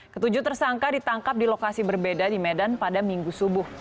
ketujuh tersangka ditangkap di lokasi berbeda di medan pada minggu subuh